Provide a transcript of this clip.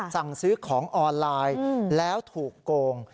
สั่งซื้อของออนไลน์แล้วถูกโกง